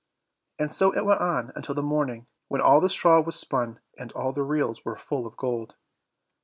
And so it went on until the morning, when all the straw was spun, and all the reels were full of gold.